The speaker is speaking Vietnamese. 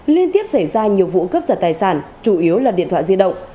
liên tiếp xảy ra nhiều vụ cướp giật tài sản chủ yếu là điện thoại di động